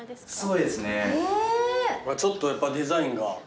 ちょっとやっぱデザインが。